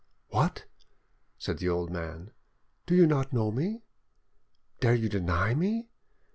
"What!" said the old man, "do you not know me? Dare you deny me?